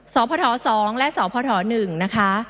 สพ๒และสพ๑นะคะ